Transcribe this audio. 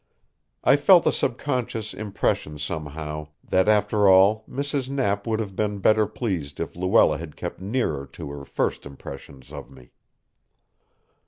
I felt the subconscious impression somehow that after all Mrs. Knapp would have been better pleased if Luella had kept nearer to her first impressions of me.